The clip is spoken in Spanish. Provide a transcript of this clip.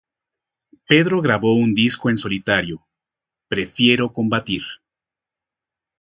Pedro grabó un disco en solitario, "Prefiero combatir".